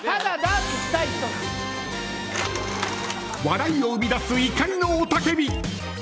笑いを生み出す怒りの雄たけび。